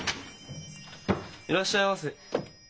いらっしゃいませ。